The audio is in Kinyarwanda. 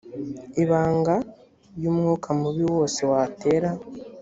ibanga y umwuka mubi wose watera